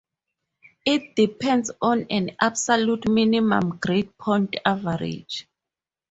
It depends on an absolute minimal grade point average.